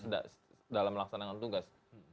dalam melaksanakan tugas